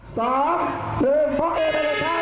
๓๑พร้อมอีกหนึ่งเลยครับ